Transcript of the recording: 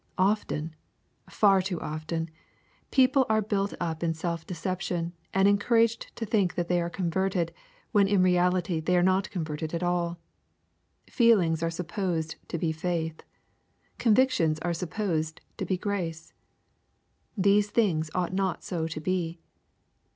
Often, — far too often, — people are built up in self deception, and encouraged to think they are converted when in reality they are not converted at all. Feelings are supposed to be faith. Convictions are supposed to be grace. These things ought not so to be.